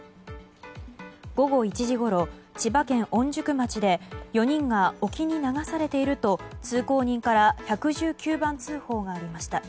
午後１時ごろ、千葉県御宿町で４人が沖に流されていると通行人から１１９番通報がありました。